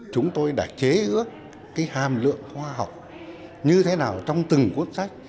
chúng tôi đã chế ước hàm lượng khoa học như thế nào trong từng cuốn sách